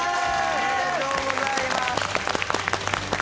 おめでとうございます！